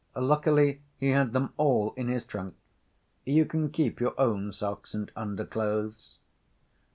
Luckily he had them all in his trunk. You can keep your own socks and underclothes."